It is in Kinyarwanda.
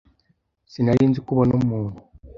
Sinari nzi ko ubona umuntu.